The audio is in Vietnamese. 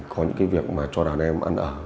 có những cái việc cho đàn em ăn ở